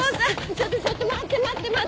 ちょっとちょっと待って待って待って！